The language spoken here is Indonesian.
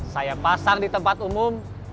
saya pasang di tempat umum